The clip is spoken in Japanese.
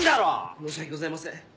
申し訳ございません。